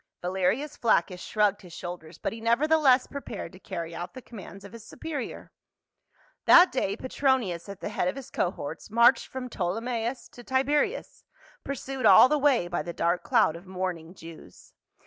Valerius Flaccus shrugged his shoulders, but he nevertheless prepared to carry out the commands of his superior. That day Petronius at the head of his cohorts marched from Ptolemais to Tiberias, pursued all the way by the dark cloud of mourning Jews.